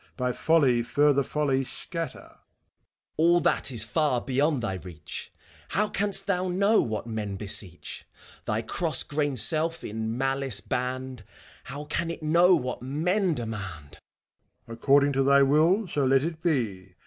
By folly further folly scatter ! FAUST. All that is far beyond thy reach. How canst thou know what men beseech f Thy cross grained self, in malice banned, How can it know what men demand? MEPHISTOPHELES. According to thy will so let it be